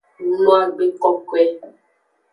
No agbe kokoe.